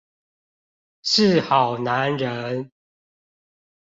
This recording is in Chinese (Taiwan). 是好男人